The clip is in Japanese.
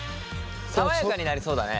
爽やかになりそうだね！